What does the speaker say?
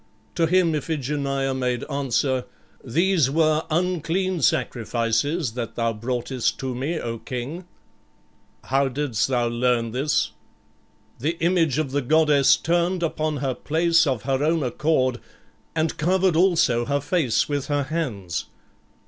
To him Iphigenia made answer, "These were unclean sacrifices that thou broughtest to me, O King." "How didst thou learn this?" "The image of the goddess turned upon her place of her own accord and covered also her face with her hands."